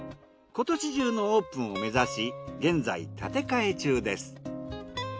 今年中のオープンを目指し現在建て替え中です。